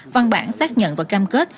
văn bản xác nhận và cam kết